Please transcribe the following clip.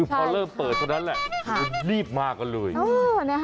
พอเริ่มเปิดเท่านั้นแหละคุณรีบมากันเลย